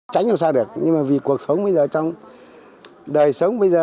tránh làm xa được nhưng mà vì cuộc sống bây giờ trong đời sống bây giờ